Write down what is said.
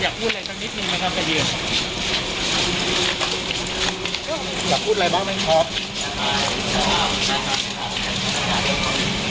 อยากพูดอะไรสักนิดหนึ่งไหมครับไปยืน